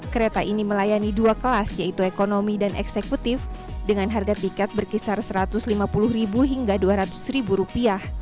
kereta ini melayani dua kelas yaitu ekonomi dan eksekutif dengan harga tiket berkisar rp satu ratus lima puluh hingga rp dua ratus